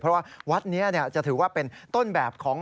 เพราะว่าวัดนี้จะถือว่าเป็นต้นแบบของ